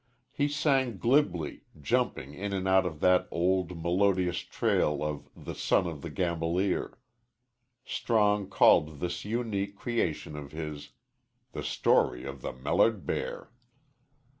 He sang glibly, jumping in and out of that old, melodious trail of "The Son of a Gamboleer." Strong called this unique creation of his "THE STORY OF THE MELLERED BEAR.